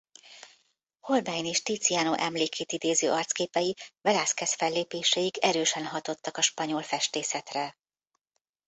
Holbein és Tiziano emlékét idéző arcképei Velázquez fellépéséig erősen hatottak a spanyol festészetre.